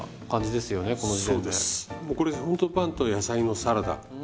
もうこれほんとパンと野菜のサラダ。